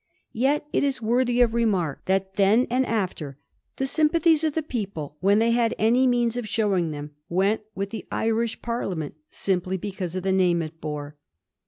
Yet it is worthy of remark, that then and after, the sympathies of the people, when they had any means of showing them, went with the Irish Parliament simply because of the name it bore.